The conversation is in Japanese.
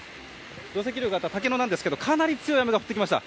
土石流があった竹野なんですけどかなり強い雨が降ってきました。